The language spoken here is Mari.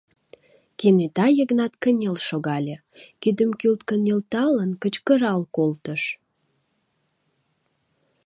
Кенета Йыгнат кынел шогале, кидым кӱлткӧ нӧлталын, кычкырал колтыш: